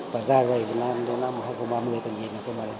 và gia dày việt nam như năm hai nghìn ba mươi tuần nhìn